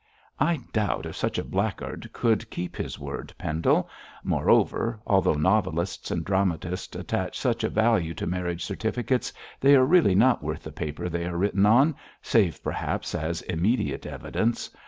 'I doubt if such a blackguard would keep his word, Pendle. Moreover, although novelists and dramatists attach such a value to marriage certificates, they are really not worth the paper they are written on save, perhaps, as immediate evidence.